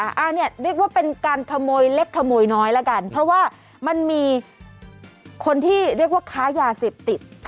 อันนี้เรียกว่าเป็นการขโมยเล็กขโมยน้อยแล้วกันเพราะว่ามันมีคนที่เรียกว่าค้ายาเสพติด